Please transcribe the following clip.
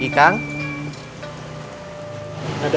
emang hanya ke nebraska